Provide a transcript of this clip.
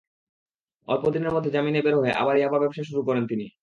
অল্পদিনের মধ্যে জামিনে বের হয়ে আবার ইয়াবা ব্যবসা শুরু করেন তিনি।